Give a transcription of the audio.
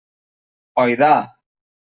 Oidà!